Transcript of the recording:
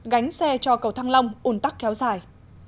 gánh xe cho cầu thăng long ủn tắc kéo dài